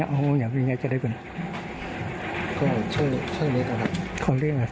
ก็ช่วยนิดหนึ่งครับ